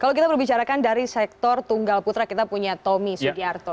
kalau kita berbicarakan dari sektor tunggal putra kita punya tommy sugiarto